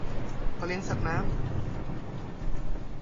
เพาะเลี้ยงสัตว์น้ำ